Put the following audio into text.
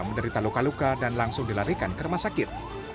menderita luka luka dan langsung dilarikan ke rumah sakit